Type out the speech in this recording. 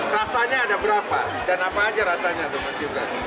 rasanya ada berapa dan apa aja rasanya tuh mas gibran